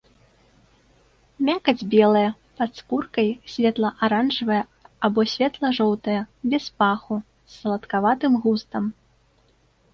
Мякаць белая, пад скуркай светла-аранжавая або светла-жоўтая, без паху, з саладкаватым густам.